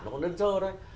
nó còn đơn sơ đấy